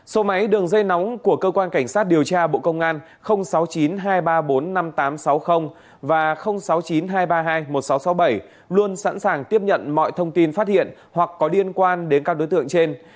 số máy đường dây nóng của cơ quan cảnh sát điều tra bộ công an sáu mươi chín hai trăm ba mươi bốn năm nghìn tám trăm sáu mươi và sáu mươi chín hai trăm ba mươi hai một nghìn sáu trăm sáu mươi bảy luôn sẵn sàng tiếp nhận mọi thông tin phát hiện hoặc có liên quan đến các đối tượng trên